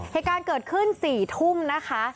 เหตุการณ์เกิดขึ้น๔ทุ่มนะคะ